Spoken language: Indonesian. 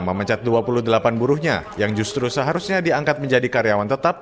memecat dua puluh delapan buruhnya yang justru seharusnya diangkat menjadi karyawan tetap